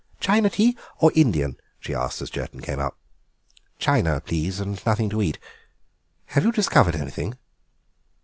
"China tea or Indian?" she asked as Jerton came up. "China, please, and nothing to eat. Have you discovered anything?"